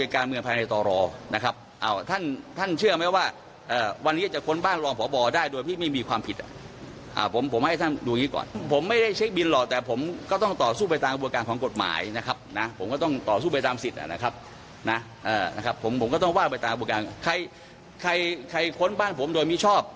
ก็ต้องว่าไปตามทุกอย่างใครค้นบ้านผมโดยมิคชอบ